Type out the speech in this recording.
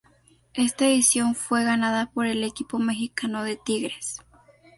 Esta edición fue ganada por el equipo mexicano de Tigres.